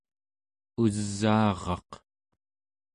usaaraq